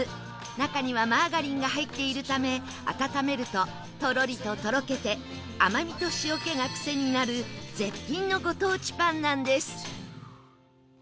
中にはマーガリンが入っているため温めるととろりととろけて甘みと塩気がクセになる絶品のご当地パンなんです